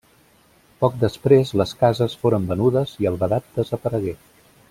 Poc després les cases foren venudes i el vedat desaparegué.